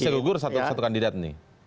bisa gugur satu kandidat nih